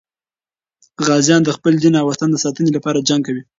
غازیان د خپل دین او وطن د ساتنې لپاره جنګ کوي.